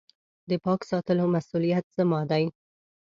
د پاک ساتلو مسولیت زما دی .